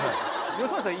吉村さん。